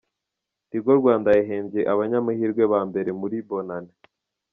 Tigo Rwanda yahembye abanyamahirwe ba mbere muri Bonane